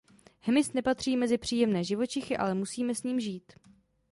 Hmyz nepatří mezi příjemné živočichy, ale musíme s ním žít.